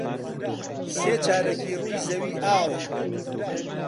سێ چارەکی ڕووی زەوی ئاوە.